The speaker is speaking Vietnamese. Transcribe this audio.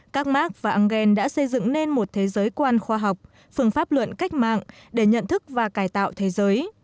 các mark và engel đã xây dựng nên một thế giới quan khoa học phương pháp luận cách mạng để nhận thức và cải tạo thế giới